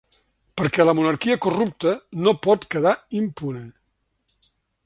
Perquè la monarquia corrupta no pot quedar impune.